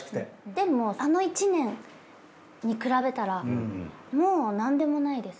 でもあの１年に比べたらもう何でもないですよ。